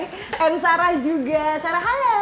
hai dan sarah juga sarah halo